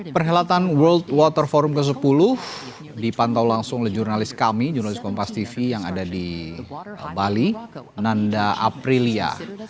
perhelatan world water forum ke sepuluh dipantau langsung oleh jurnalis kami jurnalis kompas tv yang ada di bali nanda aprilia